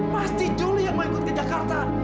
pasti juli yang mau ikut ke jakarta